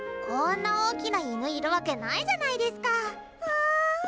こんな大きな犬いるわけないじゃないですか。